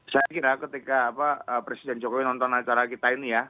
saya kira ketika presiden jokowi nonton acara kita ini ya